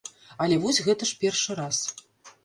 Але вось гэта ж першы раз.